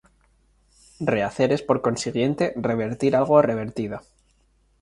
Rehacer es por consiguiente, revertir algo revertido.